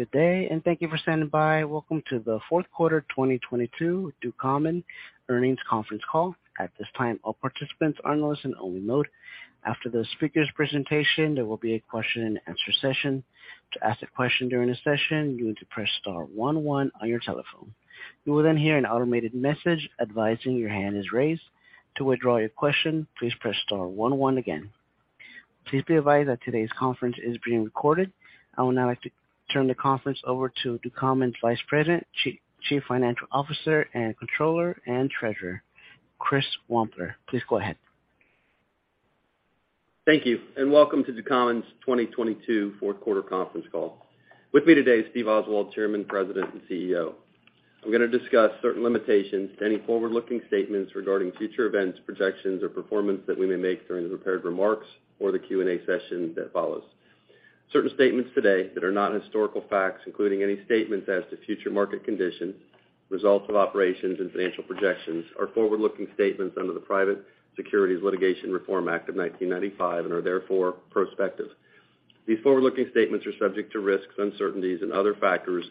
Good day. Thank you for standing by. Welcome to the fourth quarter 2022 Ducommun earnings conference call. At this time, all participants are in listen only mode. After the speaker's presentation, there will be a Q&A session. To ask a question during the session, you need to press star one one on your telephone. You will hear an automated message advising your hand is raised. To withdraw your question, please press star one one again. Please be advised that today's conference is being recorded. I would now like to turn the conference over to Ducommun's Vice President, Chief Financial Officer and Controller and Treasurer, Chris Wampler. Please go ahead. Thank you. Welcome to Ducommun's 2022 Q4 conference call. With me today is Steve Oswald, Chairman, President, and CEO. I'm going to discuss certain limitations to any forward-looking statements regarding future events, projections, or performance that we may make during the prepared remarks or the Q&A session that follows. Certain statements today that are not historical facts, including any statements as to future market conditions, results of operations, and financial projections, are forward-looking statements under the Private Securities Litigation Reform Act of 1995 and are therefore prospective. These forward-looking statements are subject to risks, uncertainties, and other factors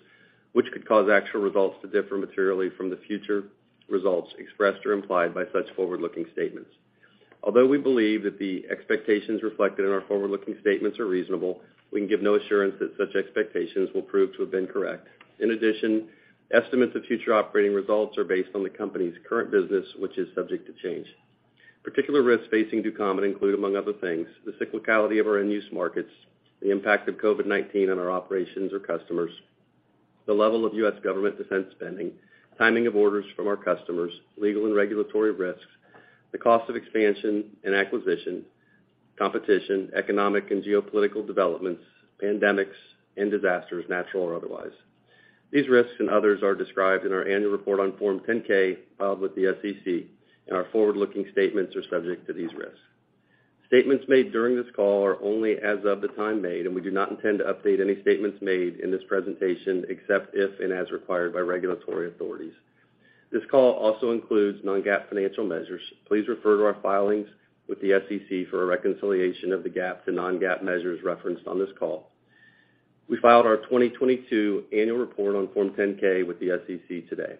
which could cause actual results to differ materially from the future results expressed or implied by such forward-looking statements. Although we believe that the expectations reflected in our forward-looking statements are reasonable, we can give no assurance that such expectations will prove to have been correct. In addition, estimates of future operating results are based on the company's current business, which is subject to change. Particular risks facing Ducommun include, among other things, the cyclicality of our end-use markets, the impact of COVID-19 on our operations or customers, the level of U.S. government defense spending, timing of orders from our customers, legal and regulatory risks, the cost of expansion and acquisition, competition, economic and geopolitical developments, pandemics, and disasters, natural or otherwise. These risks and others are described in our annual report on Form 10-K filed with the SEC, and our forward-looking statements are subject to these risks. Statements made during this call are only as of the time made, and we do not intend to update any statements made in this presentation except if and as required by regulatory authorities. This call also includes non-GAAP financial measures. Please refer to our filings with the SEC for a reconciliation of the GAAP to non-GAAP measures referenced on this call. We filed our 2022 annual report on Form 10-K with the SEC today.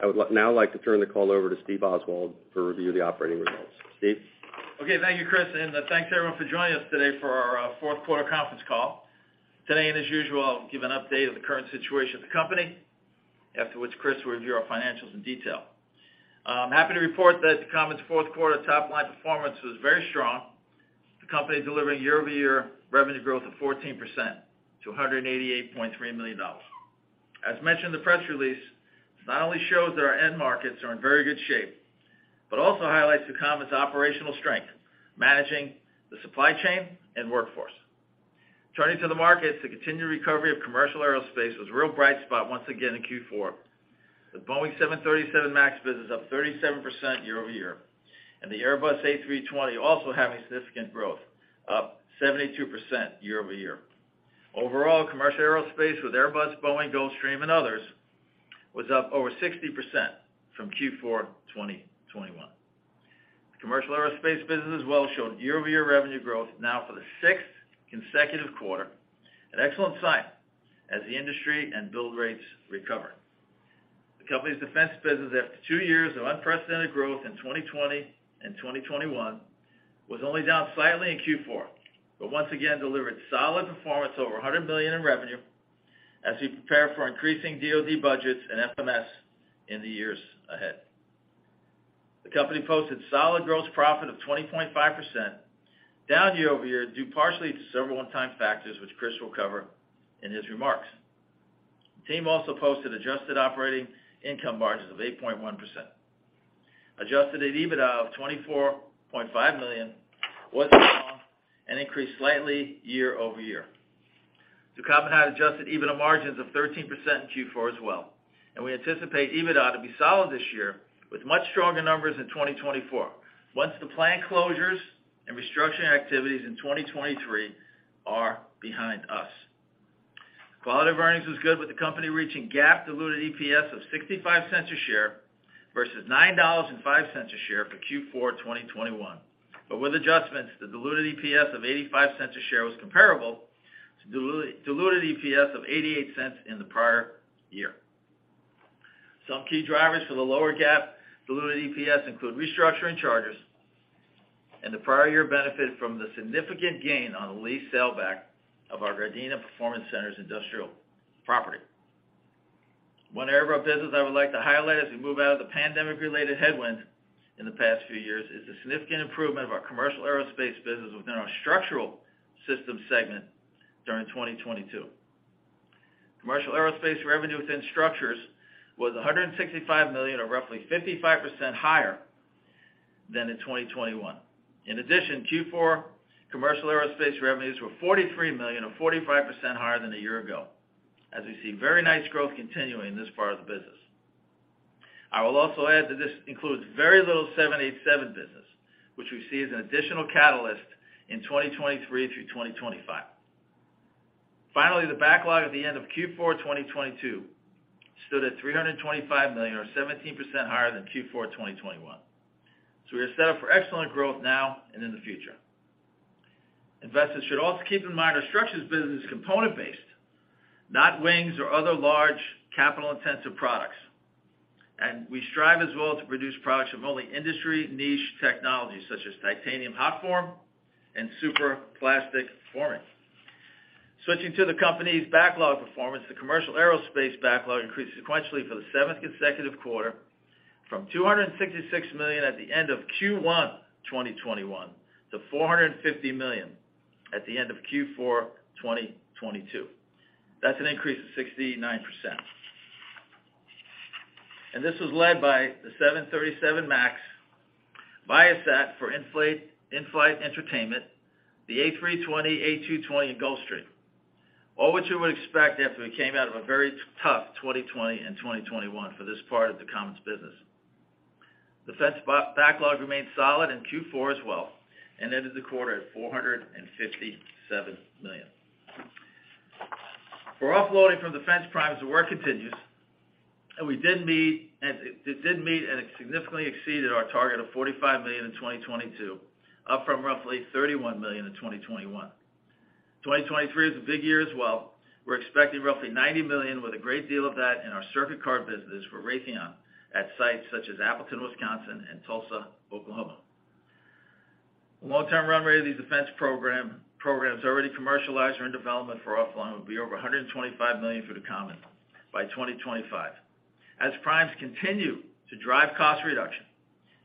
I would now like to turn the call over to Steve Oswald for a review of the operating results. Steve? Okay. Thank you, Chris, thanks everyone for joining us today for our Q4 conference call. Today, as usual, I'll give an update of the current situation of the company. Afterwards, Chris will review our financials in detail. Happy to report that Ducommun's Q4 top line performance was very strong. The company delivering year-over-year revenue growth of 14% to $188.3 million. As mentioned in the press release, this not only shows that our end markets are in very good shape but also highlights Ducommun's operational strength, managing the supply chain and workforce. Turning to the markets, the continued recovery of commercial aerospace was a real bright spot once again in Q4, with Boeing 737 MAX business up 37% year-over-year, and the Airbus A320 also having significant growth, up 72% year-over-year. Overall, commercial aerospace with Airbus, Boeing, Gulfstream, and others was up over 60% from Q4 2021. The commercial aerospace business as well showed year-over-year revenue growth now for the sixth consecutive quarter, an excellent sign as the industry and build rates recover. The company's defense business, after two years of unprecedented growth in 2020 and 2021, was only down slightly in Q4, but once again delivered solid performance over $100 million in revenue as we prepare for increasing DoD budgets and FMS in the years ahead. The company posted solid gross profit of 20.5%, down year-over-year due partially to several one-time factors which Chris will cover in his remarks. The team also posted adjusted operating income margins of 8.1%. Adjusted EBITDA of $24.5 million was strong and increased slightly year-over-year. Ducommun had adjusted EBITDA margins of 13% in Q4 as well. We anticipate EBITDA to be solid this year with much stronger numbers in 2024 once the plant closures and restructuring activities in 2023 are behind us. Quality of earnings was good with the company reaching GAAP diluted EPS of $0.65 a share versus $9.05 a share for Q4 2021. With adjustments, the diluted EPS of $0.85 a share was comparable to diluted EPS of $0.88 in the prior year. Some key drivers for the lower GAAP diluted EPS include restructuring charges and the prior year benefit from the significant gain on the lease sale back of our Gardena Performance Center's industrial property. One area of our business I would like to highlight as we move out of the pandemic-related headwinds in the past few years is the significant improvement of our commercial aerospace business within our Structural Systems segment during 2022. Commercial aerospace revenue within structures was $165 million, or roughly 55% higher than in 2021. Q4 commercial aerospace revenues were $43 million or 45% higher than a year ago, as we see very nice growth continuing in this part of the business. I will also add that this includes very little 787 business, which we see as an additional catalyst in 2023 through 2025. The backlog at the end of Q4 2022 stood at $325 million or 17% higher than Q4 2021. We are set up for excellent growth now and in the future. Investors should also keep in mind our structures business is component-based, not wings or other large capital-intensive products. We strive as well to produce products of only industry niche technologies, such as titanium hot forming and superplastic forming. Switching to the company's backlog performance, the commercial aerospace backlog increased sequentially for the seventh consecutive quarter from $266 million at the end of Q1 2021 to $450 million at the end of Q4 2022. That's an increase of 69%. This was led by the 737 MAX, Viasat for in-flight entertainment, the A320, A220, and Gulfstream. All what you would expect after we came out of a very tough 2020 and 2021 for this part of the Ducommun business. Defense backlog remained solid in Q4 as well, and ended the quarter at $457 million. For offloading from defense primes, the work continues, and it did meet and it significantly exceeded our target of $45 million in 2022, up from roughly $31 million in 2021. 2023 is a big year as well. We're expecting roughly $90 million, with a great deal of that in our circuit card business for Raytheon at sites such as Appleton, Wisconsin, and Tulsa, Oklahoma. The long-term run rate of these defense programs already commercialized or in development for offloading will be over $125 million for Ducommun by 2025, as primes continue to drive cost reduction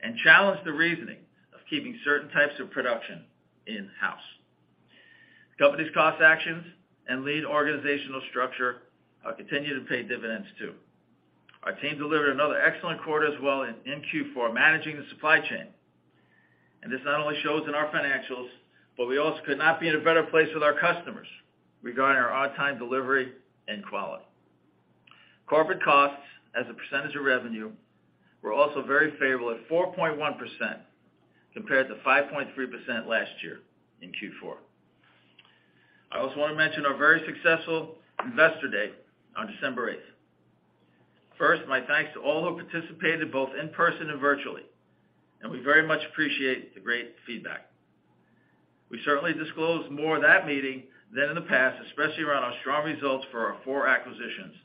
and challenge the reasoning of keeping certain types of production in-house. The company's cost actions and lean organizational structure continue to pay dividends too. Our team delivered another excellent quarter as well in Q4, managing the supply chain. This not only shows in our financials, we also could not be in a better place with our customers regarding our on-time delivery and quality. Corporate costs as a percentage of revenue were also very favorable at 4.1% compared to 5.3% last year in Q4. I also wanna mention our very successful Investor Day on December 8th, 2022. First, my thanks to all who participated both in person and virtually, and we very much appreciate the great feedback. We certainly disclosed more at that meeting than in the past, especially around our strong results for our four acquisitions.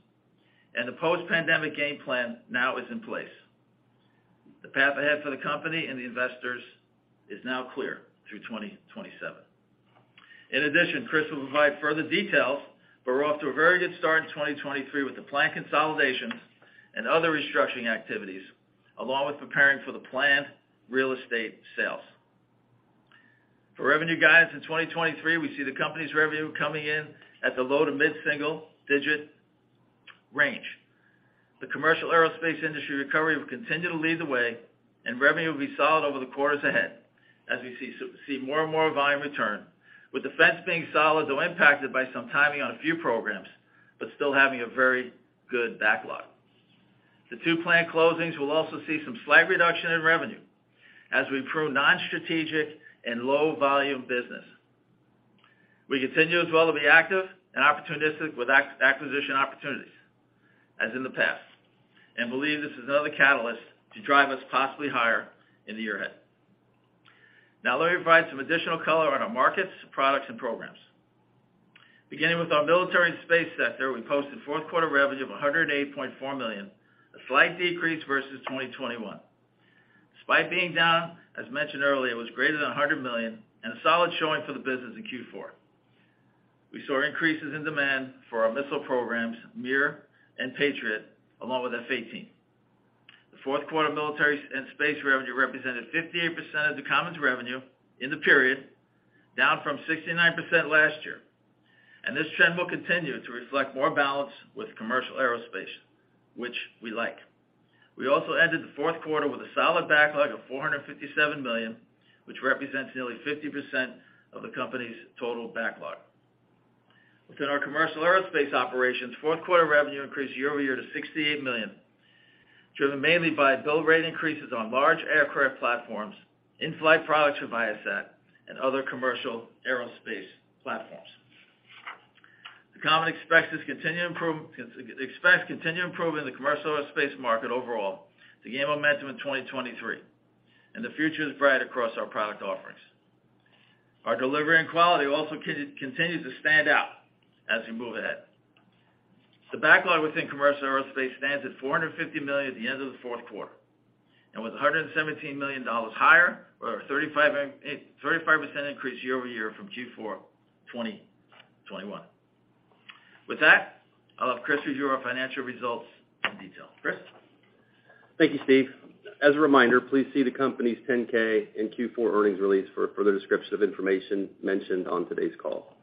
The post-pandemic game plan now is in place. The path ahead for the company and the investors is now clear through 2027. In addition, Chris will provide further details, but we're off to a very good start in 2023 with the plant consolidations and other restructuring activities, along with preparing for the plant real estate sales. For revenue guidance in 2023, we see the company's revenue coming in at the low to mid-single digit range. The commercial aerospace industry recovery will continue to lead the way, and revenue will be solid over the quarters ahead as we see more and more volume return, with defense being solid, though impacted by some timing on a few programs, but still having a very good backlog. The two plant closings will also see some slight reduction in revenue as we prune non-strategic and low volume business. We continue as well to be active and opportunistic with acquisition opportunities, as in the past, and believe this is another catalyst to drive us possibly higher in the year ahead. Let me provide some additional color on our markets, products, and programs. Beginning with our military and space sector, we posted Q4 revenue of $108.4 million, a slight decrease versus 2021. Despite being down, as mentioned earlier, it was greater than $100 million and a solid showing for the business in Q4. We saw increases in demand for our missile programs, MIR and Patriot, along with F/A-18. The Q4 military and space revenue represented 58% of Ducommun's revenue in the period, down from 69% last year. This trend will continue to reflect more balance with commercial aerospace, which we like. We also ended the Q4 with a solid backlog of $457 million, which represents nearly 50% of the company's total backlog. Within our commercial aerospace operations, Q4 revenue increased year-over-year to $68 million, driven mainly by build rate increases on large aircraft platforms, in-flight products for Viasat, and other commercial aerospace platforms. Ducommun expects continued improvement in the commercial aerospace market overall to gain momentum in 2023. The future is bright across our product offerings. Our delivery and quality also continues to stand out as we move ahead. The backlog within commercial aerospace stands at $450 million at the end of the Q4, was $117 million higher or a 35% increase year-over-year from Q4 2021. With that, I'll have Chris review our financial results in detail. Chris? Thank you, Steve. As a reminder, please see the company's 10-K and Q4 earnings release for a further description of information mentioned on today's call.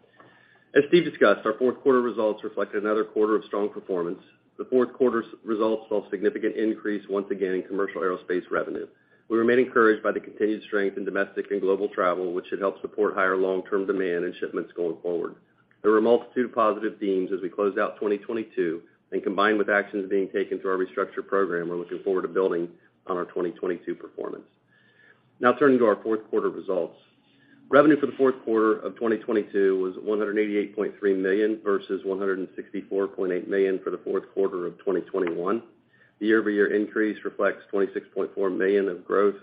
As Steve discussed, our Q4 results reflected another quarter of strong performance. The Q4's results saw a significant increase once again in commercial aerospace revenue. We remain encouraged by the continued strength in domestic and global travel, which should help support higher long-term demand and shipments going forward. There were a multitude of positive themes as we closed out 2022, and combined with actions being taken through our restructure program, we're looking forward to building on our 2022 performance. Now turning to our Q4 results. Revenue for the Q4 of 2022 was $188.3 million versus $164.8 million for the Q4 of 2021. The year-over-year increase reflects $26.4 million of growth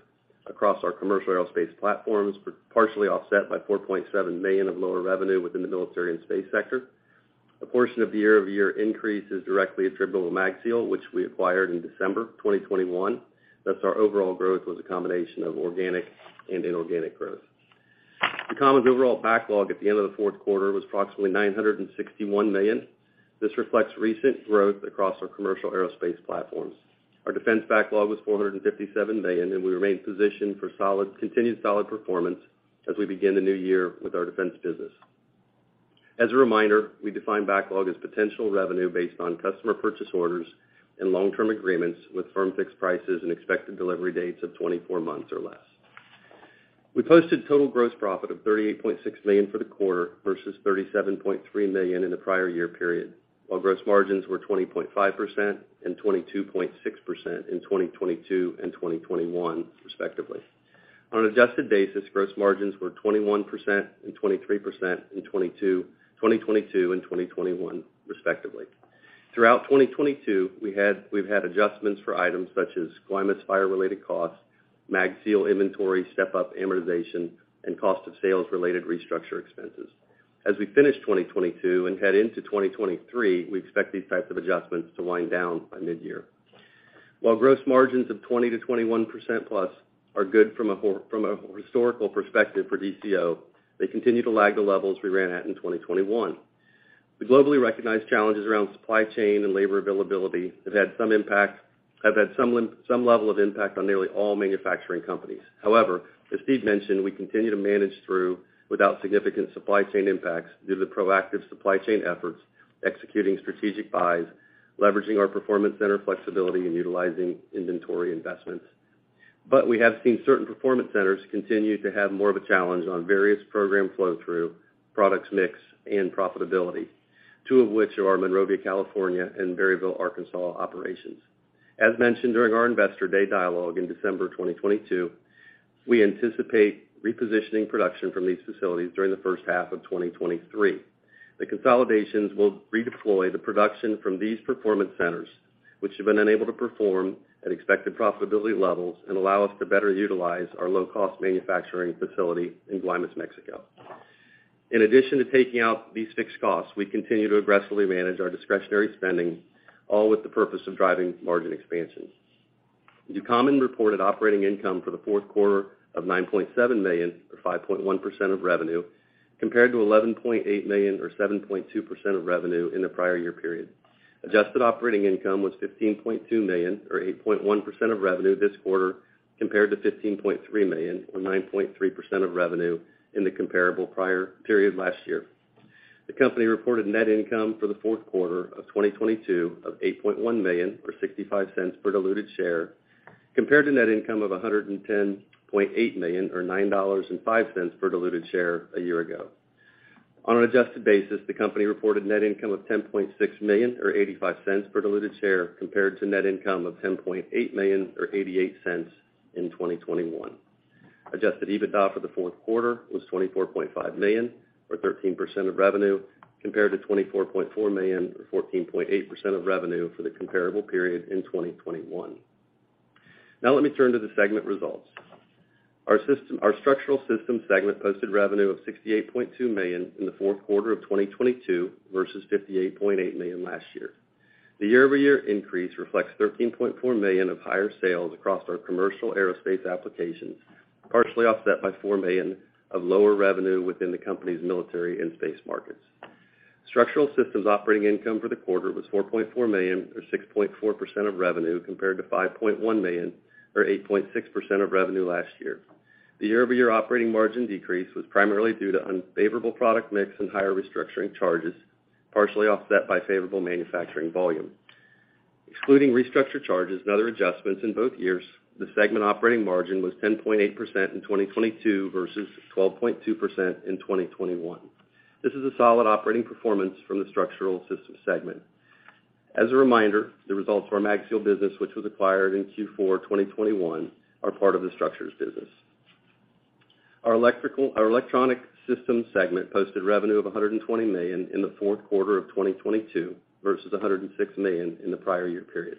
across our commercial aerospace platforms, but partially offset by $4.7 million of lower revenue within the military and space sector. A portion of the year-over-year increase is directly attributable to Magseal, which we acquired in December 2021. Thus, our overall growth was a combination of organic and inorganic growth. Ducommun's overall backlog at the end of the Q4 was approximately $961 million. This reflects recent growth across our commercial aerospace platforms. Our defense backlog was $457 million, and we remain positioned for continued solid performance as we begin the new year with our defense business. As a reminder, we define backlog as potential revenue based on customer purchase orders and long-term agreements with firm fixed prices and expected delivery dates of 24 months or less. We posted total gross profit of $38.6 million for the quarter versus $37.3 million in the prior year period, while gross margins were 20.5% and 22.6% in 2022 and 2021 respectively. On an adjusted basis, gross margins were 21% and 23% in 2022 and 2021 respectively. Throughout 2022, we've had adjustments for items such as Guaymas fire-related costs, Magseal inventory, step-up amortization, and cost of sales-related restructure expenses. As we finish 2022 and head into 2023, we expect these types of adjustments to wind down by mid-year. While gross margins of 20%-21% plus are good from a historical perspective for DCO, they continue to lag the levels we ran at in 2021. The globally recognized challenges around supply chain and labor availability have had some level of impact on nearly all manufacturing companies. As Steve mentioned, we continue to manage through without significant supply chain impacts due to the proactive supply chain efforts, executing strategic buys, leveraging our performance center flexibility, and utilizing inventory investments. We have seen certain performance centers continue to have more of a challenge on various program flow through, products mix, and profitability, two of which are our Monrovia, California and Berryville, Arkansas operations. As mentioned during our Investor Day dialogue in December 2022, we anticipate repositioning production from these facilities during the H1 of 2023. The consolidations will redeploy the production from these performance centers, which have been unable to perform at expected profitability levels and allow us to better utilize our low-cost manufacturing facility in Guaymas, Mexico. In addition to taking out these fixed costs, we continue to aggressively manage our discretionary spending, all with the purpose of driving margin expansions. Ducommun reported operating income for the Q4 of $9.7 million, or 5.1% of revenue, compared to $11.8 million, or 7.2% of revenue in the prior year period. Adjusted operating income was $15.2 million, or 8.1% of revenue this quarter, compared to $15.3 million, or 9.3% of revenue in the comparable prior period last year. The company reported net income for the Q4 of 2022 of $8.1 million, or $0.65 per diluted share, compared to net income of $110.8 million, or $9.05 per diluted share a year ago. On an adjusted basis, the company reported net income of $10.6 million, or $0.85 per diluted share, compared to net income of $10.8 million, or $0.88 in 2021. Adjusted EBITDA for the Q4 was $24.5 million, or 13% of revenue, compared to $24.4 million, or 14.8% of revenue for the comparable period in 2021. Let me turn to the segment results. Our Structural Systems segment posted revenue of $68.2 million in the Q4 of 2022 versus $58.8 million last year. The year-over-year increase reflects $13.4 million of higher sales across our commercial aerospace applications, partially offset by $4 million of lower revenue within the company's military and space markets. Structural Systems operating income for the quarter was $4.4 million, or 6.4% of revenue, compared to $5.1 million, or 8.6% of revenue last year. The year-over-year operating margin decrease was primarily due to unfavorable product mix and higher restructuring charges, partially offset by favorable manufacturing volume. Excluding restructure charges and other adjustments in both years, the segment operating margin was 10.8% in 2022 versus 12.2% in 2021. This is a solid operating performance from the Structural Systems segment. As a reminder, the results for our Magseal business, which was acquired in Q4 2021, are part of the Structures business. Our Electronic Systems segment posted revenue of $120 million in the Q4 of 2022 versus $106 million in the prior year period.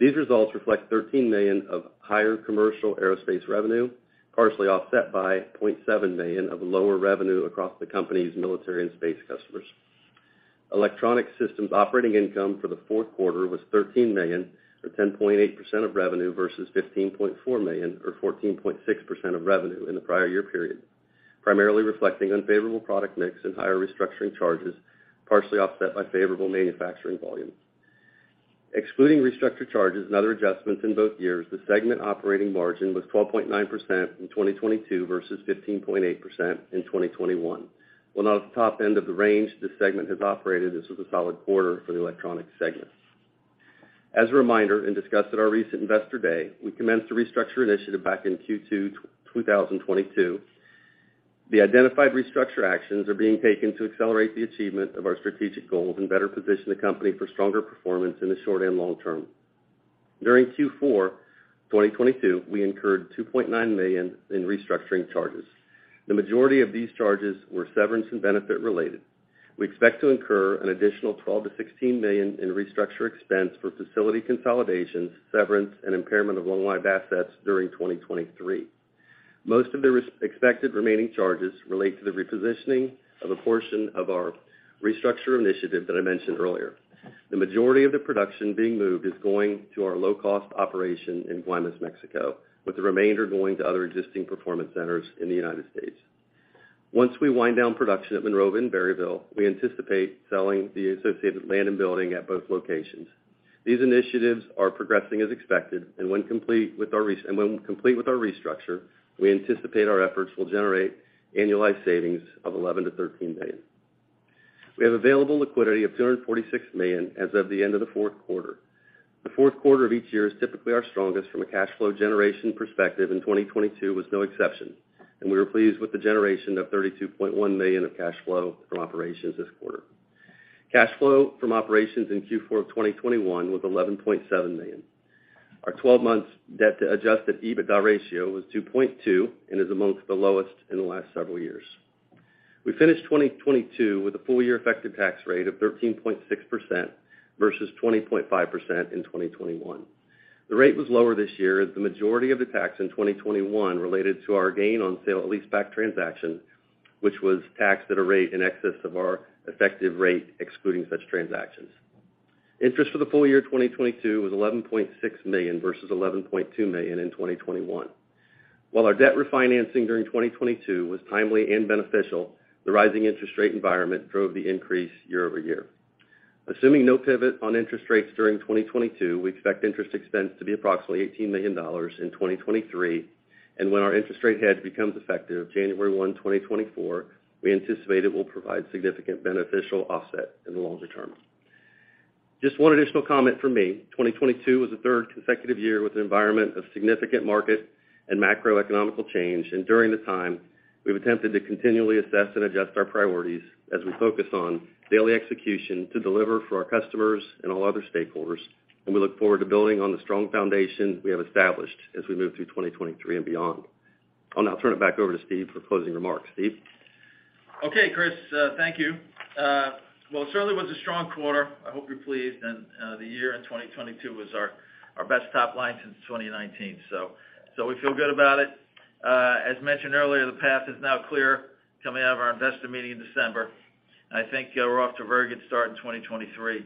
These results reflect $13 million of higher commercial aerospace revenue, partially offset by $0.7 million of lower revenue across the company's military and space customers. Electronic systems operating income for the Q4 was $13 million, or 10.8% of revenue, versus $15.4 million, or 14.6% of revenue in the prior year period, primarily reflecting unfavorable product mix and higher restructuring charges, partially offset by favorable manufacturing volumes. Excluding restructuring charges and other adjustments in both years, the segment operating margin was 12.9% in 2022 versus 15.8% in 2021. While not at the top end of the range this segment has operated, this was a solid quarter for the electronic segment. As a reminder and discussed at our recent Investor Day, we commenced a restructuring initiative back in Q2 2022. The identified restructure actions are being taken to accelerate the achievement of our strategic goals and better position the company for stronger performance in the short and long term. During Q4 2022, we incurred $2.9 million in restructuring charges. The majority of these charges were severance and benefit related. We expect to incur an additional $12 million-$16 million in restructure expense for facility consolidations, severance, and impairment of long-lived assets during 2023. Most of the expected remaining charges relate to the repositioning of a portion of our restructure initiative that I mentioned earlier. The majority of the production being moved is going to our low-cost operation in Guaymas, Mexico, with the remainder going to other existing performance centers in the United States. Once we wind down production at Monrovia and Berryville, we anticipate selling the associated land and building at both locations. These initiatives are progressing as expected and when complete with our restructure, we anticipate our efforts will generate annualized savings of $11 million-$13 million. We have available liquidity of $246 million as of the end of the Q4. The Q4 of each year is typically our strongest from a cash flow generation perspective, and 2022 was no exception, and we were pleased with the generation of $32.1 million of cash flow from operations this quarter. Cash flow from operations in Q4 of 2021 was $11.7 million. Our 12 months debt to adjusted EBITDA ratio was 2.2, and is amongst the lowest in the last several years. We finished 2022 with a full year effective tax rate of 13.6% versus 20.5% in 2021. The rate was lower this year as the majority of the tax in 2021 related to our gain on sale lease back transaction, which was taxed at a rate in excess of our effective rate, excluding such transactions. Interest for the full year 2022 was $11.6 million versus $11.2 million in 2021. While our debt refinancing during 2022 was timely and beneficial, the rising interest rate environment drove the increase year-over-year. Assuming no pivot on interest rates during 2022, we expect interest expense to be approximately $18 million in 2023, and when our interest rate hedge becomes effective January 1, 2024, we anticipate it will provide significant beneficial offset in the longer term. Just one additional comment from me. 2022 was the third consecutive year with an environment of significant market and macroeconomic change. During the time, we've attempted to continually assess and adjust our priorities as we focus on daily execution to deliver for our customers and all other stakeholders. We look forward to building on the strong foundation we have established as we move through 2023 and beyond. I'll now turn it back over to Steve for closing remarks. Steve? Okay, Chris, thank you. Well, it certainly was a strong quarter. I hope you're pleased. The year in 2022 was our best top line since 2019, so we feel good about it. As mentioned earlier, the path is now clear coming out of our investor meeting in December 2022, I think we're off to a very good start in 2023.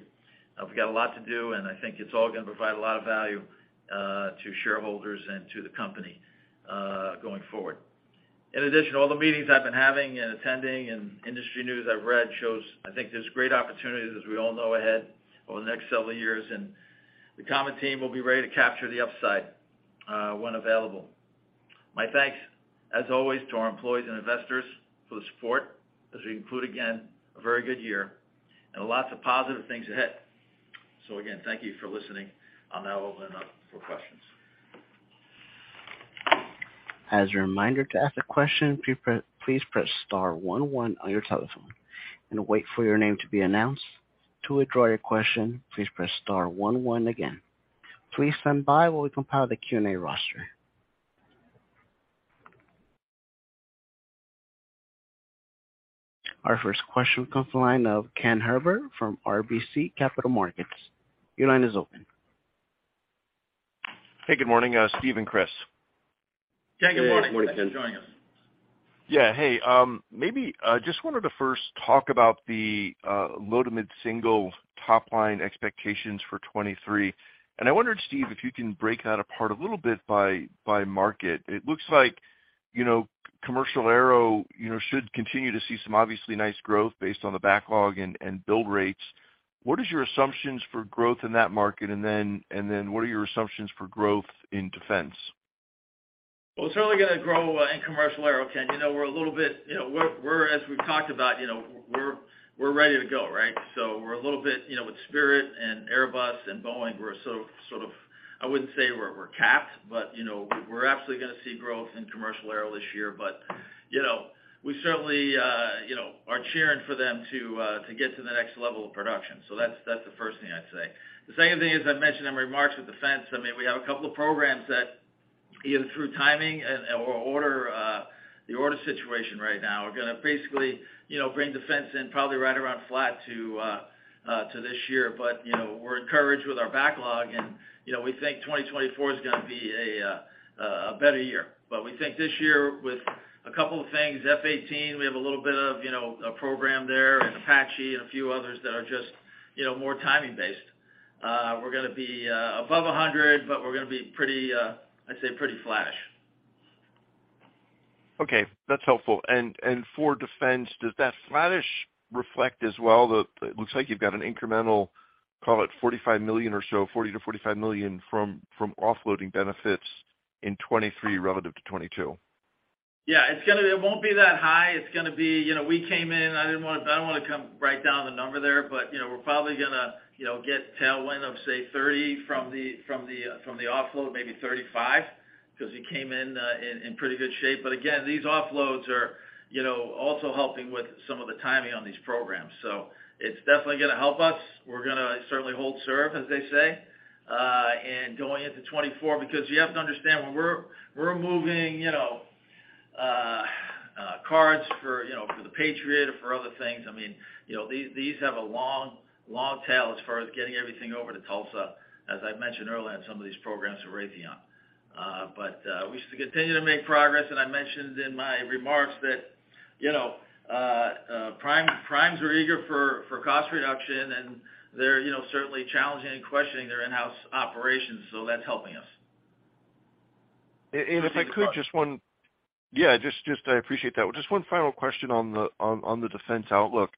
We've got a lot to do, I think it's all gonna provide a lot of value to shareholders and to the company going forward. In addition, all the meetings I've been having and attending and industry news I've read shows I think there's great opportunities, as we all know, ahead over the next several years, the Ducommun team will be ready to capture the upside when available. My thanks as always to our employees and investors for the support as we conclude, again, a very good year and lots of positive things ahead. Again, thank you for listening. I'll now open it up for questions. As a reminder, to ask a question, please press star one one on your telephone and wait for your name to be announced. To withdraw your question, please press star one one again. Please stand by while we compile the Q&A roster. Our first question comes the line of Ken Herbert from RBC Capital Markets. Your line is open. Hey, good morning, Steve and Chris. Ken, good morning. Good morning, Ken. Thanks for joining us. Yeah. Hey, maybe, just wanted to first talk about the low to mid-single top line expectations for 2023. I wondered, Steve, if you can break that apart a little bit by market. It looks like, you know, commercial aero, you know, should continue to see some obviously nice growth based on the backlog and build rates. What is your assumptions for growth in that market? Then what are your assumptions for growth in defense? Well, it's really gonna grow in commercial aero, Ken. You know, we're a little bit. You know, we're as we've talked about, you know, we're ready to go, right? We're a little bit, you know, with Spirit and Airbus and Boeing, we're sort of, I wouldn't say we're capped, but you know, we're absolutely gonna see growth in commercial aero this year. You know, we certainly, you know, are cheering for them to get to the next level of production. That's the first thing I'd say. The second thing is I mentioned in remarks with defense, I mean, we have a couple of programs that either through timing and, or order, the order situation right now are gonna basically, you know, bring defense in probably right around flat to this year. You know, we're encouraged with our backlog and, you know, we think 2024 is gonna be a better year. We think this year with a couple of things, F/A-18, we have a little bit of, you know, a program there, Apache and a few others that are just, you know, more timing based. We're gonna be above $100 million, but we're gonna be pretty, I'd say pretty flattish. Okay, that's helpful. For defense, does that flattish reflect as well it looks like you've got an incremental, call it $45 million or so, $40 million-$45 million from offloading benefits in 2023 relative to 2022? Yeah. It won't be that high. It's gonna be. You know, we came in, I didn't wanna, I don't wanna come right down the number there, but you know, we're probably gonna, you know, get tailwind of say $30 million from the, from the, from the offload, maybe $35 million, because he came in pretty good shape. Again, these offloads are, you know, also helping with some of the timing on these programs. It's definitely gonna help us. We're gonna certainly hold serve, as they say, and going into 2024 because you have to understand when we're moving, you know, cards for, you know, for the Patriot or for other things. I mean, you know, these have a long, long tail as far as getting everything over to Tulsa, as I'd mentioned earlier, on some of these programs for Raytheon. We continue to make progress, and I mentioned in my remarks that, you know, primes are eager for cost reduction, and they're, you know, certainly challenging and questioning their in-house operations, so that's helping us. If I could, I appreciate that. Just one final question on the defense outlook.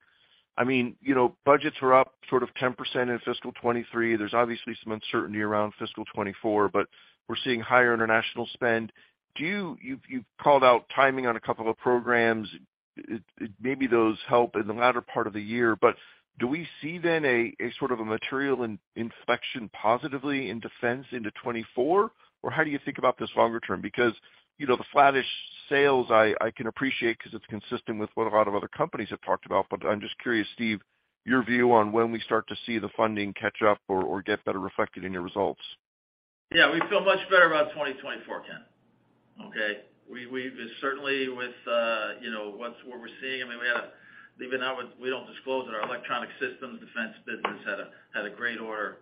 I mean, you know, budgets are up sort of 10% in fiscal 2023. There's obviously some uncertainty around fiscal 2024, but we're seeing higher international spend. You've called out timing on a couple of programs. Maybe those help in the latter part of the year. Do we see then a sort of a material inflection positively in defense into 2024? How do you think about this longer term? You know, the flattish sales I can appreciate 'cause it's consistent with what a lot of other companies have talked about. I'm just curious, Steve, your view on when we start to see the funding catch up or get better reflected in your results? Yeah. We feel much better about 2024, Ken. Okay. We certainly with, you know, what we're seeing, I mean, we had a. We don't disclose it, our Electronic Systems defense business had a great order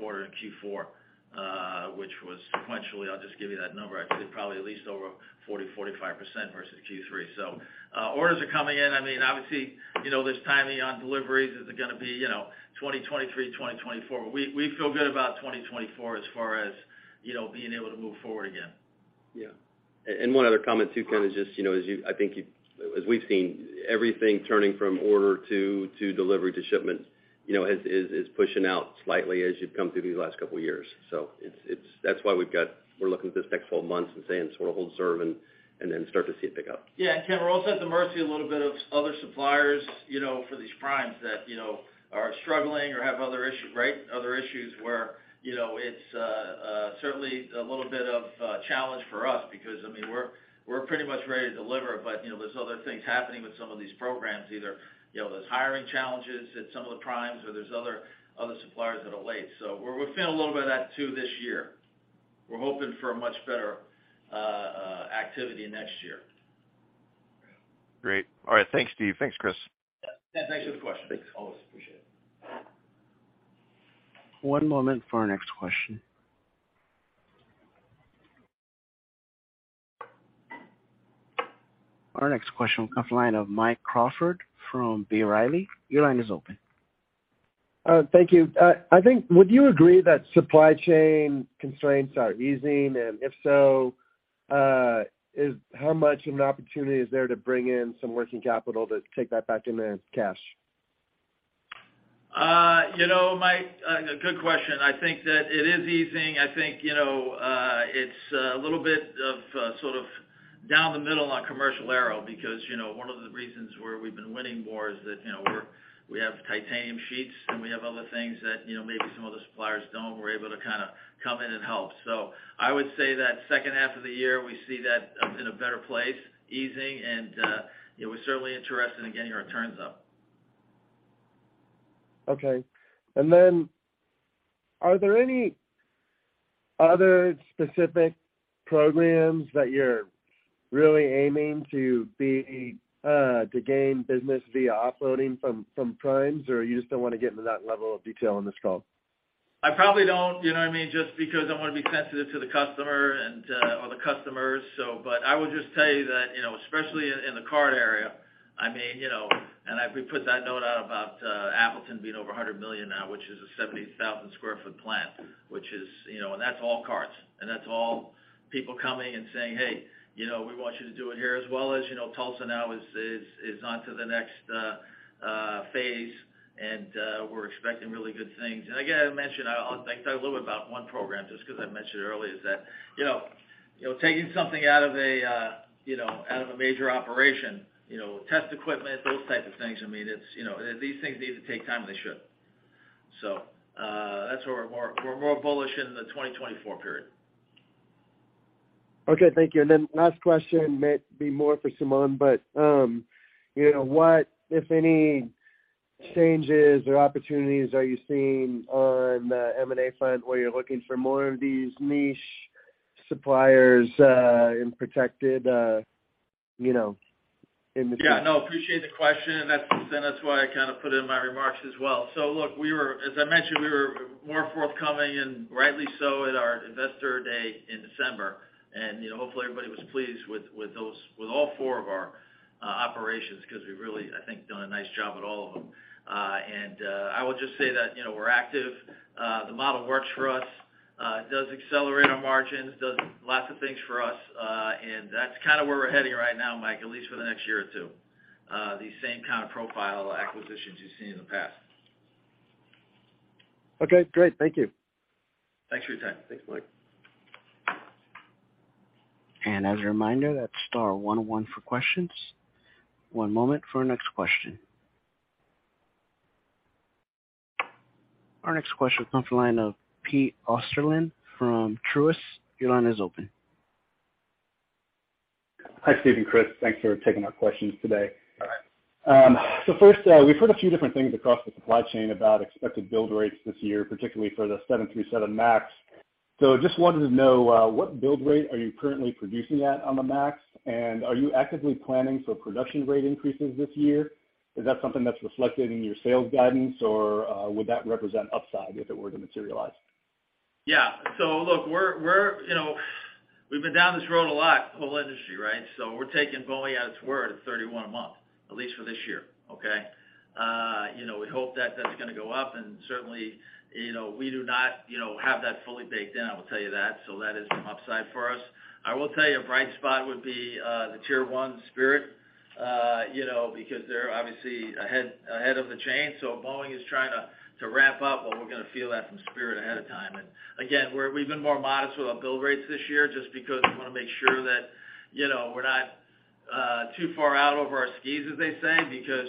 quarter in Q4, which was sequentially, I'll just give you that number, I'd say probably at least over 40%-45% versus Q3. Orders are coming in. I mean, obviously, you know, there's timing on deliveries. Is it gonna be, you know, 2023, 2024? We feel good about 2024 as far as, you know, being able to move forward again. Yeah. One other comment too, Ken, is just, you know, as we've seen everything turning from order to delivery to shipment, you know, is pushing out slightly as you've come through these last couple years. That's why we're looking at this next whole month and saying sort of hold serve and then start to see it pick up. Yeah. Ken, we're also at the mercy a little bit of other suppliers, you know, for these primes that, you know, are struggling or have other issues, right? Other issues where, you know, it's certainly a little bit of a challenge for us because, I mean, we're pretty much ready to deliver. You know, there's other things happening with some of these programs, either, you know, there's hiring challenges at some of the primes or there's other suppliers that are late. We're feeling a little bit of that, too, this year. We're hoping for a much better activity next year. Great. All right. Thanks, Steve. Thanks, Chris. Yeah. Thanks for the question. Thanks. Always appreciate it. One moment for our next question. Our next question will come line of Mike Crawford from B. Riley. Your line is open. Thank you. I think, would you agree that supply chain constraints are easing? If so, how much an opportunity is there to bring in some working capital to take that back into cash? You know, Mike, good question. I think that it is easing. I think, you know, it's a little bit of sort of down the middle on commercial aero because, you know, one of the reasons where we've been winning more is that, you know, we have titanium sheets, and we have other things that, you know, maybe some of the suppliers don't. We're able to kinda come in and help. I would say that H2 of the year, we see that in a better place, easing, and, you know, we're certainly interested in getting our turns up. Okay. Then are there any other specific programs that you're really aiming to be to gain business via offloading from primes, or you just don't wanna get into that level of detail on this call? I probably don't, you know what I mean? Just because I wanna be sensitive to the customer and or the customers. But I will just tell you that, you know, especially in the card area, I mean, you know, and we put that note out about Appleton being over $100 million now, which is a 70,000 sq ft plant, which is, you know. That's all cards, and that's all people coming and saying, "Hey, you know, we want you to do it here." You know, Tulsa now is onto the next phase, and we're expecting really good things. Again, I mentioned, I talked a little bit about one program, just 'cause I mentioned earlier, is that, you know, taking something out of a, you know, out of a major operation, you know, test equipment, those types of things, I mean, it's, you know. These things need to take time, and they should. That's where we're more bullish in the 2024 period. Okay, thank you. Last question might be more for [Simon], but, you know, what, if any, changes or opportunities are you seeing on the M&A front where you're looking for more of these niche suppliers, in protected, you know? Yeah, no, appreciate the question. That's, and that's why I kinda put it in my remarks as well. Look, we were, as I mentioned, we were more forthcoming and rightly so at our Investor Day in December 2022. You know, hopefully everybody was pleased with those, with all four of our operations 'cause we've really, I think, done a nice job at all of them. I will just say that, you know, we're active. The model works for us. It does accelerate our margins, does lots of things for us. That's kinda where we're heading right now, Mike, at least for the next year or two. The same kind of profile acquisitions you've seen in the past. Okay, great. Thank you. Thanks for your time. Thanks, Mike. As a reminder, that's star one one for questions. One moment for our next question. Our next question comes from the line of Pete Osterland from Truist. Your line is open. Hi, Steve and Chris. Thanks for taking our questions today. All right. First, we've heard a few different things across the supply chain about expected build rates this year, particularly for the 737 MAX. Just wanted to know, what build rate are you currently producing at on the MAX? Are you actively planning for production rate increases this year? Is that something that's reflected in your sales guidance, or would that represent upside if it were to materialize? Yeah. Look, we're, you know, we've been down this road a lot, the whole industry, right? We're taking Boeing at its word at 31-month, at least for this year, okay? You know, we hope that that's gonna go up. Certainly, you know, we do not, you know, have that fully baked in, I will tell you that. That is some upside for us. I will tell you a bright spot would be the Tier 1 Spirit, you know, because they're obviously ahead of the chain. If Boeing is trying to ramp up, well, we're gonna feel that from Spirit ahead of time. Again, we've been more modest with our build rates this year just because we wanna make sure that, you know, we're not too far out over our skis, as they say, because,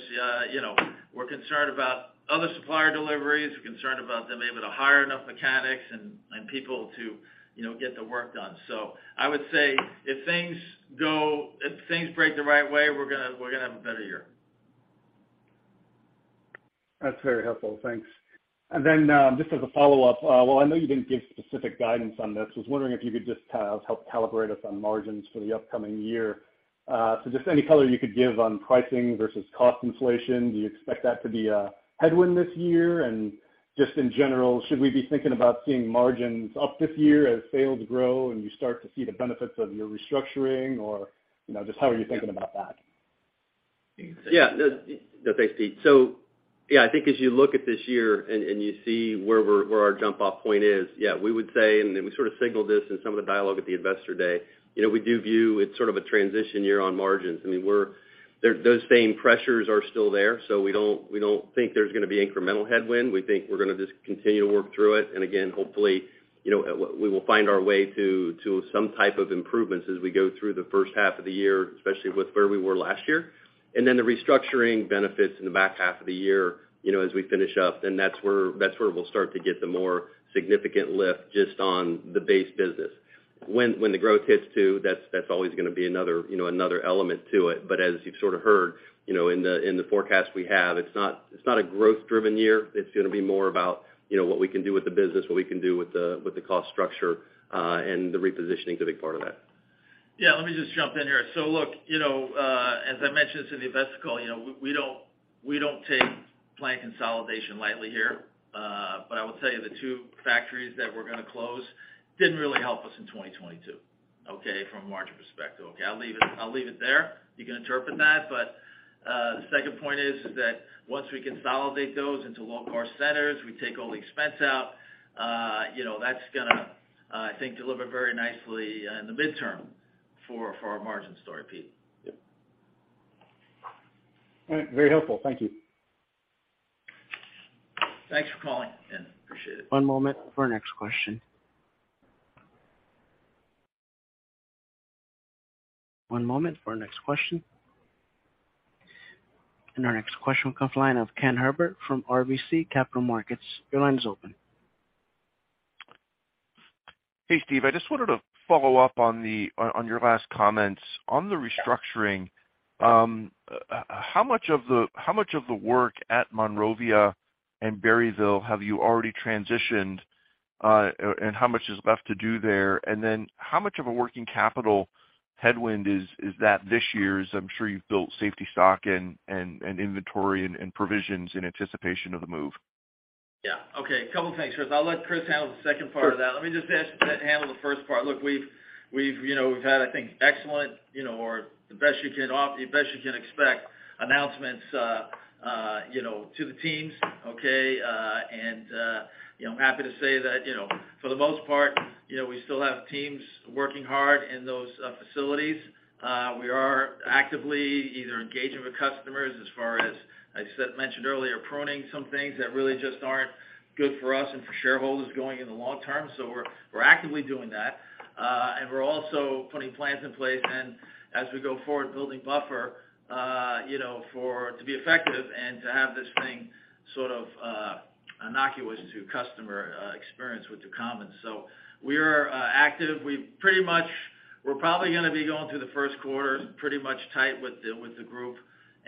you know, we're concerned about other supplier deliveries. We're concerned about them able to hire enough mechanics and people to, you know, get the work done. I would say if things break the right way, we're gonna have a better year. That's very helpful. Thanks. Just as a follow-up, while I know you didn't give specific guidance on this, I was wondering if you could just, help calibrate us on margins for the upcoming year. Just any color you could give on pricing versus cost inflation. Do you expect that to be a headwind this year? Just in general, should we be thinking about seeing margins up this year as sales grow and you start to see the benefits of your restructuring, or, you know, just how are you thinking about that? Yeah. No. No, thanks, Pete. Yeah, I think as you look at this year and you see where our jump off point is, yeah, we would say, and then we sort of signaled this in some of the dialogue at the Investor Day. You know, we do view it's sort of a transition year on margins. I mean, we're. Those same pressures are still there, so we don't, we don't think there's gonna be incremental headwind. We think we're gonna just continue to work through it. Again, hopefully, you know, we will find our way to some type of improvements as we go through the H1 of the year, especially with where we were last year. The restructuring benefits in the back half of the year, you know, as we finish up, then that's where we'll start to get the more significant lift just on the base business. When the growth hits too, that's always gonna be another, you know, another element to it. As you've sort of heard, you know, in the forecast we have, it's not a growth driven year. It's gonna be more about, you know, what we can do with the business, what we can do with the cost structure, and the repositioning is a big part of that. Yeah. Let me just jump in here. Look, you know, as I mentioned to the invest call, you know, we don't take plant consolidation lightly here. I will tell you, the two factories that we're gonna close didn't really help us in 2022, okay, from a margin perspective. Okay? I'll leave it, I'll leave it there. You can interpret that. The second point is that once we consolidate those into low-cost centers, we take all the expense out, you know, that's gonna, I think, deliver very nicely in the midterm for our margin story, Pete. Yep. All right. Very helpful. Thank you. Thanks for calling in. Appreciate it. One moment for our next question. Our next question comes line of Ken Herbert from RBC Capital Markets. Your line is open. Hey, Steve. I just wanted to follow up on your last comments. On the restructuring, how much of the work at Monrovia and Berryville have you already transitioned, and how much is left to do there? Then how much of a working capital headwind is that this year's? I'm sure you've built safety stock and inventory and provisions in anticipation of the move. Yeah. Okay. Couple things, Chris. I'll let Chris handle the second part of that. Let me just handle the first part. Look, we've, you know, we've had, I think, excellent, you know, or the best you can expect announcements, you know, to the teams, okay? You know, I'm happy to say that, you know, for the most part, you know, we still have teams working hard in those facilities. We are actively either engaging with customers as far as I said, mentioned earlier, pruning some things that really just aren't good for us and for shareholders going in the long term. We're actively doing that. We're also putting plans in place and as we go forward, building buffer, you know, to be effective and to have this thing sort of innocuous to customer experience with Ducommun. We are active. We're probably gonna be going through the Q1 pretty much tight with the group,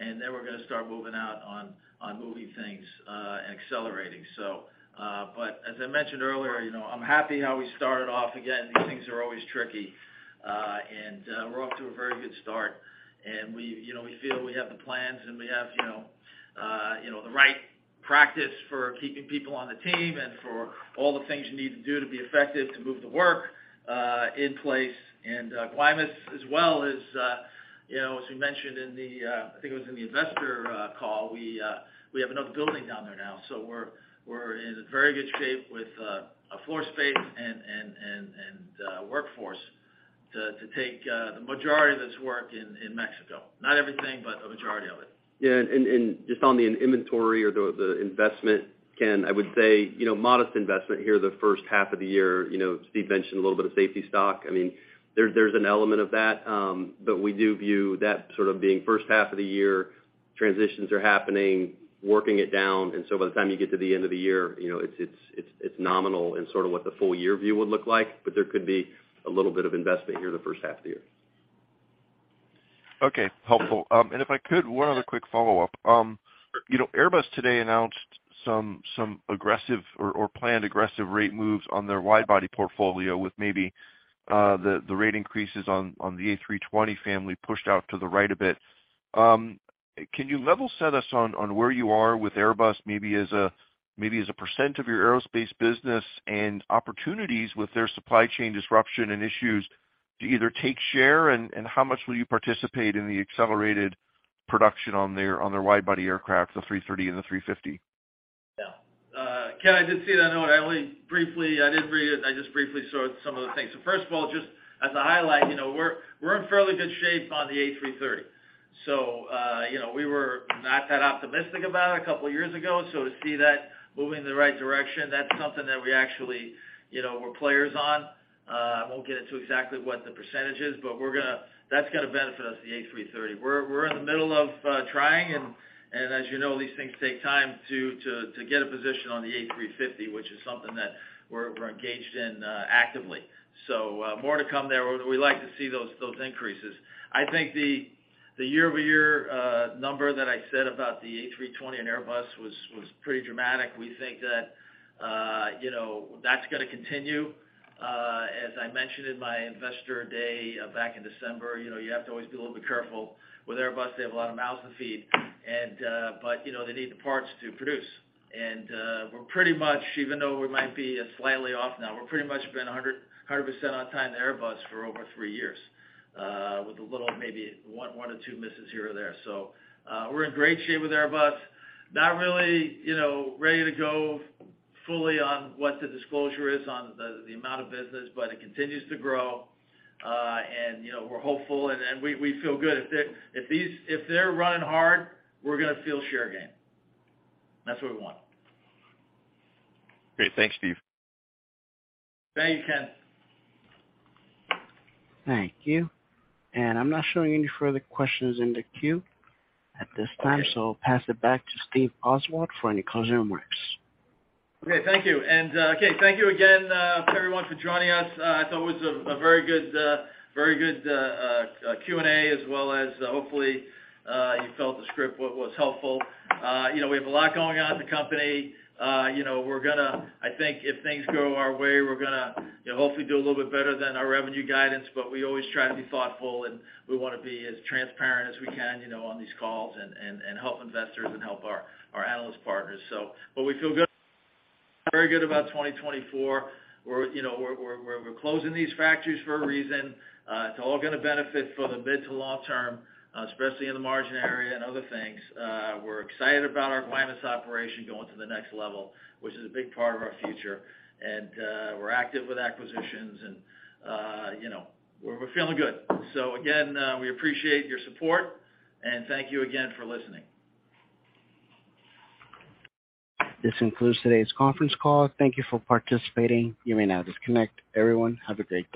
and then we're gonna start moving out on moving things, and accelerating. As I mentioned earlier, you know, I'm happy how we started off. Again, these things are always tricky. We're off to a very good start. We, you know, we feel we have the plans and we have, you know, you know, the right practice for keeping people on the team and for all the things you need to do to be effective to move the work in place. Guaymas as well is, you know, as we mentioned in the, I think it was in the investor call, we have another building down there now. So we're in very good shape with a floor space and workforce to take the majority of this work in Mexico. Not everything, but a majority of it. Yeah. Just on the inventory or the investment, Ken, I would say, you know, modest investment here the H1 of the year. You know, Steve mentioned a little bit of safety stock. I mean, there's an element of that. We do view that sort of being H1 of the year, transitions are happening, working it down. By the time you get to the end of the year, you know, it's, it's nominal in sort of what the full year view would look like. There could be a little bit of investment here the H1 of the year. Okay, helpful. If I could, one other quick follow-up. You know Airbus today announced some aggressive or planned aggressive rate moves on their wide body portfolio with maybe the rate increases on the A320 family pushed out to the right a bit. Can you level set us on where you are with Airbus, maybe as a, maybe as a percent of your aerospace business and opportunities with their supply chain disruption and issues to either take share? How much will you participate in the accelerated production on their, on their wide body aircraft, the A330 and the A350? Yeah. Ken, I did see that note. I didn't read it, I just briefly saw some of the things. First of all, just as a highlight, you know, we're in fairly good shape on the A330. You know, we were not that optimistic about it a couple years ago. To see that moving in the right direction, that's something that we actually, you know, we're players on. I won't get into exactly what the percentage is, but that's gonna benefit us, the A330. We're in the middle of trying and, as you know, these things take time to get a position on the A350, which is something that we're engaged in actively. More to come there. We like to see those increases. I think the year-over-year number that I said about the A320 and Airbus was pretty dramatic. We think that, you know, that's gonna continue. As I mentioned in my Investor Day, back in December 2022, you know, you have to always be a little bit careful with Airbus. They have a lot of mouths to feed and, but, you know, they need the parts to produce. We're pretty much, even though we might be slightly off now, we're pretty much been 100% on time with Airbus for over three years, with a little maybe one or two misses here or there. We're in great shape with Airbus. Not really, you know, ready to go fully on what the disclosure is on the amount of business, but it continues to grow. You know, we're hopeful and we feel good. If they're running hard, we're gonna feel share gain. That's what we want. Great. Thanks, Steve. Thank you, Ken. Thank you. I'm not showing any further questions in the queue at this time. Okay. I'll pass it back to Steve Oswald for any closing remarks. Okay, thank you. Okay, thank you again to everyone for joining us. I thought it was a very good, very good Q&A as well as hopefully you felt the script was helpful. You know, we have a lot going on in the company. You know, I think if things go our way, we're gonna, you know, hopefully do a little bit better than our revenue guidance, but we always try to be thoughtful, and we wanna be as transparent as we can, you know, on these calls and help investors and help our analyst partners. But we feel good. Very good about 2024. We're, you know, we're closing these factories for a reason. It's all gonna benefit for the mid to long term, especially in the margin area and other things. We're excited about our Guaymas operation going to the next level, which is a big part of our future. We're active with acquisitions and, you know, we're feeling good. Again, we appreciate your support, and thank you again for listening. This concludes today's conference call. Thank you for participating. You may now disconnect. Everyone, have a great day.